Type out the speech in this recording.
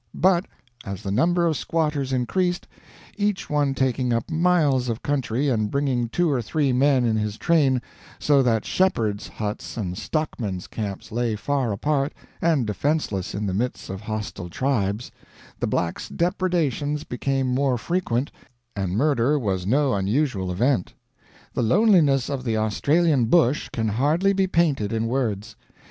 But, as the number of squatters increased, each one taking up miles of country and bringing two or three men in his train, so that shepherds' huts and stockmen's camps lay far apart, and defenseless in the midst of hostile tribes, the Blacks' depredations became more frequent and murder was no unusual event. "The loneliness of the Australian bush can hardly be painted in words.